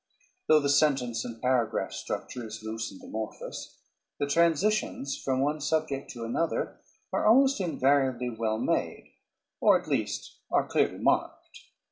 Though the sentence and paragraph structure is loose and amorphous, the transitions from one subject to another are almost invariably well made, or at least are clearly marked.